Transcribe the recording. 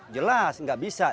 jelas tidak bisa